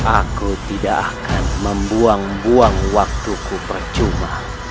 aku tidak akan membuang buang waktuku percuma